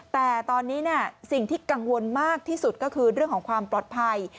แต่ตอนนี้สิ่งที่กังวลมากที่สุดก็คือเรื่องของความปลอดภัย